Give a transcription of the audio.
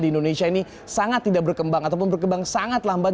di indonesia ini sangat tidak berkembang ataupun berkembang sangat lambat